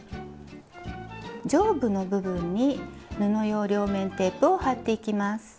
上部の部分に布用両面テープを貼っていきます。